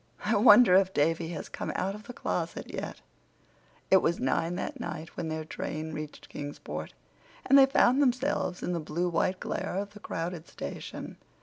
I wonder if Davy has come out of the closet yet." It was nine that night when their train reached Kingsport, and they found themselves in the blue white glare of the crowded station.